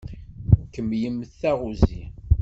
Kemmlemt taɣuzi.